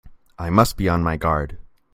I must be on my guard!